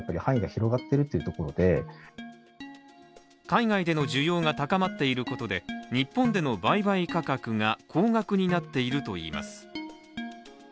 海外での需要が高まっていることで日本での売買価格が高額になっているといいます。